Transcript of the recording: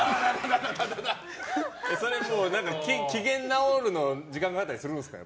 それ機嫌直るの時間かかったりするんですか？